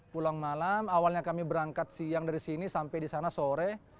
pulang malam awalnya kami berangkat siang dari sini sampai di sana sore